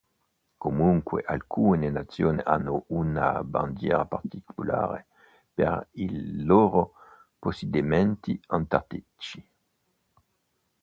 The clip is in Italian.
Comunque alcune nazioni hanno una bandiera particolare per i loro possedimenti antartici.